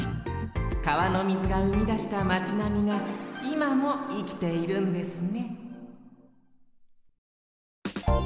川のみずがうみだした町並みがいまもいきているんですね